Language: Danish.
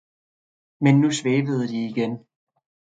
men nu svævede de igen.